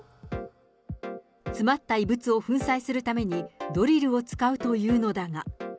詰まった異物を粉砕するために、ドリルを使うというのだが。